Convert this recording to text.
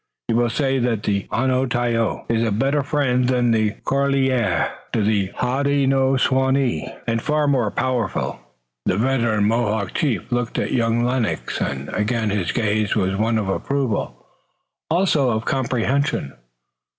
He will say that Onontio is a better friend than Corlear to the Hodenosaunee, and far more powerful." The veteran Mohawk chief looked at young Lennox, and again his gaze was one of approval, also of comprehension.